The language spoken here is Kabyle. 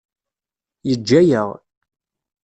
Yeǧǧa-aɣ.